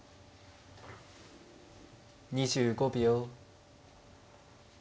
２５秒。